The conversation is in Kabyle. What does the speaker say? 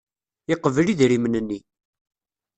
Yeqbel idrimen-nni.